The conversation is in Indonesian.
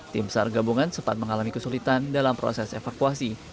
tim sar gabungan sempat mengalami kesulitan dalam proses evakuasi